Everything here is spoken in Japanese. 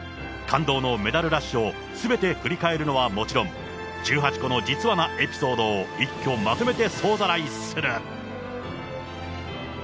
感動のメダルラッシュを、すべて振り返るのはもちろん、１８個の実は、なエピソードを、一挙まとめて総ざらいする。